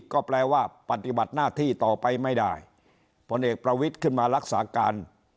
ก็แปลว่าปฏิบัติหน้าที่ต่อไปไม่ได้ผลเอกประวิทย์ขึ้นมารักษาการ